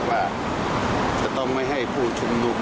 ว่าจะต้องไม่ให้ผู้ชุมนุม